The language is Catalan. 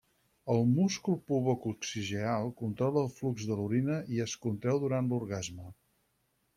El múscul pubococcigeal controla el flux de l'orina i es contreu durant l'orgasme.